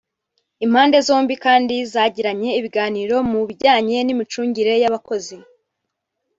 Impande zombi kandi zagiranye ibiganiro mu bijyanye n’imicungire y’abakozi